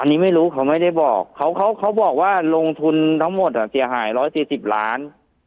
อันนี้ไม่รู้เขาไม่ได้บอกเขาบอกว่าลงทุนทั้งหมดเสียหาย๑๔๐ล้าน